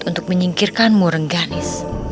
untuk menyingkirkanmu rengganis